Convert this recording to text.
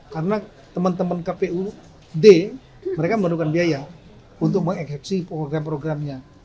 karena teman teman kpud mereka memerlukan biaya untuk mengeksepsi program programnya